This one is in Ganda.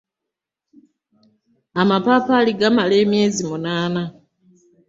Amapaapaali gamala emyezi munaana.